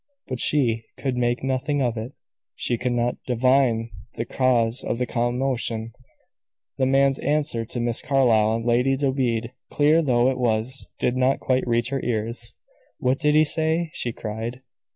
But she could make nothing of it; she could not divine the cause of the commotion. The man's answer to Miss Carlyle and Lady Dobede, clear though it was, did not quite reach her ears. "What did he say?" she cried.